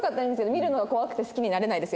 見るのが怖くて好きになれないです